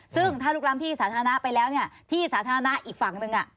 ซึ่งถ้าลุกล้ำที่สาธารณะไปแล้วที่สาธารณะอีกฝั่งหนึ่ง